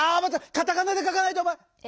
カタカナでかかないとおまえ。